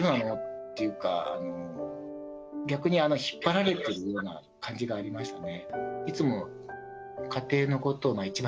っていうか、逆に引っ張られているような感じがありましたね。